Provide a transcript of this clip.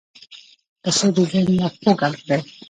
پسه د ژوند یو خوږ اړخ دی.